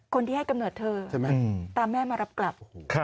คนที่ให้กำเนิดเธอใช่ไหมตามแม่มารับกลับ